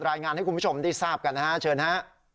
รายงานให้คุณผู้ชมได้ทราบกันนะฮะเชิญฮะ